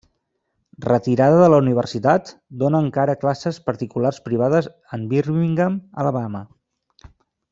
Retirada de la Universitat, dóna encara classes particulars privades en Birmingham, Alabama.